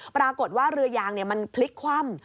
ปรากฏว่าเรือยางมันพลิกคว่ำ